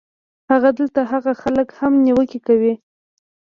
خو دلته هاغه خلک هم نېوکې کوي